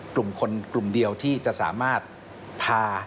กลุ่มคนกลุ่มเดียวที่จะสามารถพา